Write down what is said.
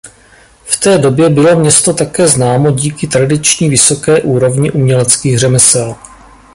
V té době bylo město také známo díky tradiční vysoké úrovni uměleckých řemesel.